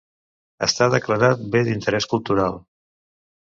Està declarat Bé d'Interés Cultural.